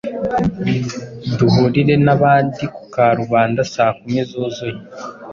duhurire n’abandi ku karubanda saa kumi zuzuye.”